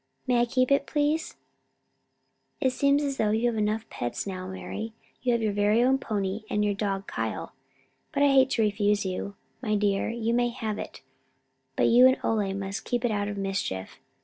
May I keep it, please?" "It seems as though you had enough pets now, Mari. You have your own pony and your dog Kyle. But I hate to refuse you, my dear. Yes, you may have it, but you and Ole must keep it out of mischief.